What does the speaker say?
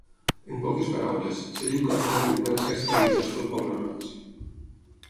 En poques paraules, es diu que els Meru van ser esclavitzats pel Poble Roig.